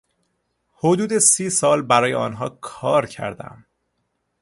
حدود سی سال برای آنها کار کردم.